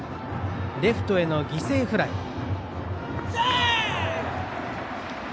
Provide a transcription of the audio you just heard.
レフトへの犠牲フライ。